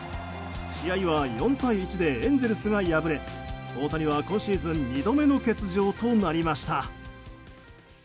試合は４対１でエンゼルスが敗れ大谷は今シーズン２度目の欠場となりました。